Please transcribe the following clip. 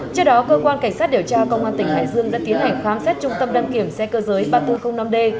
trước đó cơ quan cảnh sát điều tra công an tỉnh hải dương đã tiến hành khám xét trung tâm đăng kiểm xe cơ giới ba nghìn bốn trăm linh năm d